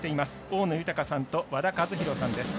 大野豊さんと、和田一浩さんです。